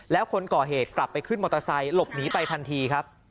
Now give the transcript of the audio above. แล้วคนก่อเหตุกลับไปขึ้นมอเตอร์ไซค์หลบหนีไปทันทีครับ